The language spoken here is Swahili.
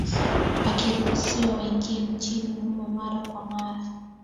Wakiruhusiwa waingie nchini humo mara kwa mara